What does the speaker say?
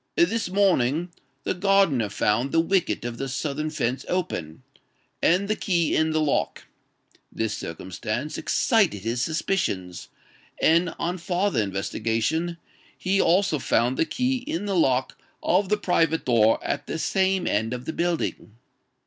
This morning, the gardener found the wicket of the southern fence open, and the key in the lock: this circumstance excited his suspicions; and, on farther investigation, he also found the key in the lock of the private door at the same end of the building.